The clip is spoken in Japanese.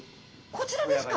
こちらですか？